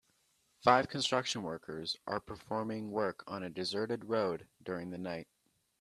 Five construction workers are performing work on a deserted road during the night.